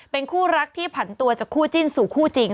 เป็นคู่รักที่ผันตัวจากคู่จิ้นสู่คู่จริง